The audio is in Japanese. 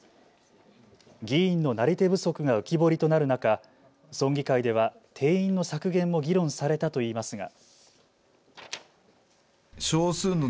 議員のなり手不足が浮き彫りとなる中、村議会では定員の削減も議論されたといいますが。